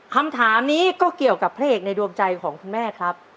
คำถามนี้ก็เกี่ยวกับพระเอกในดวงใจของคุณแม่ครับ